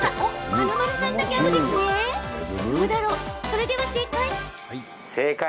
それでは正解。